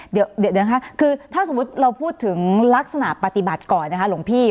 เดี๋ยวนะคะคือถ้าสมมุติเราพูดถึงลักษณะปฏิบัติก่อนนะคะหลวงพี่